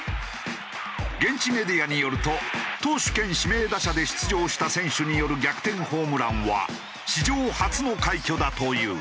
現地メディアによると投手兼指名打者で出場した選手による逆転ホームランは史上初の快挙だという。